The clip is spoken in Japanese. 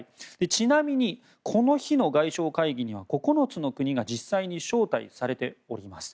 ちなみに、この日の外相会議には９つの国が実際に招待されております。